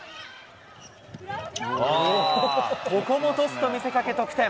ここもトスと見せかけ、得点。